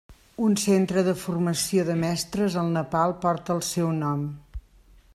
Un centre de formació de mestres al Nepal porta el seu nom.